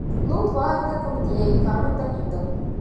ލޫޠު ވާހަކަދައްކަމުން ދިޔައީ ކަރުނަތައް ހިންދަމުން